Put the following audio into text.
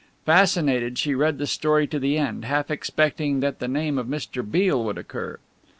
Fascinated, she read the story to the end, half expecting that the name of Mr. Beale would occur.